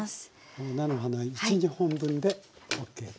菜の花１２本分でＯＫと。